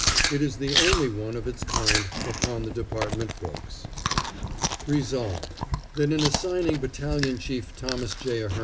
It is the only one of its kind upon the department books: Resolved, That in assigning Battalion Chief Thomas J.